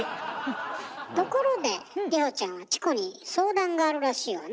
ところで里帆ちゃんはチコに相談があるらしいわね？